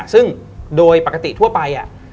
ซึ่งโดยปกติทั่วไป